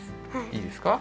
いいですか？